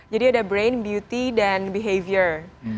jadi ada brain beauty dan behavior